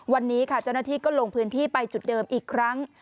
วันนี้ค่ะเจ้าหน้าที่ก็ลงพื้นที่ไปจุดเดิมอีกครั้ง